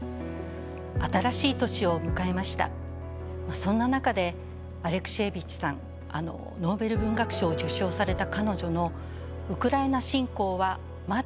そんな中でアレクシエービッチさんノーベル文学賞を受賞された彼女の「ウクライナ侵攻はまだ続く」